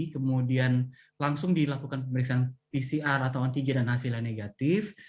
kemudian langsung dilakukan pemeriksaan pcr atau antigen dan hasilnya negatif